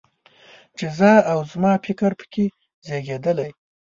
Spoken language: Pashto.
چې زه او زما فکر په کې زېږېدلی.